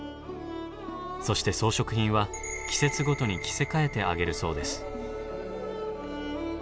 そして装飾品は季節ごとに着せ替えてあげるそうです。